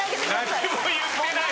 何も言ってない。